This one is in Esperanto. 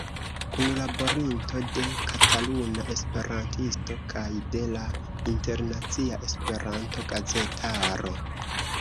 Kunlaborinto de Kataluna Esperantisto kaj de la internacia Esperanto-gazetaro.